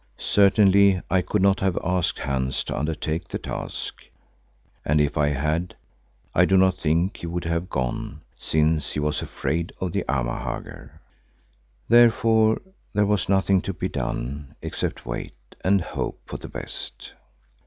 Certainly I could not have asked Hans to undertake the task, and if I had, I do not think he would have gone since he was afraid of the Amahagger. Therefore there was nothing to be done except wait and hope for the best.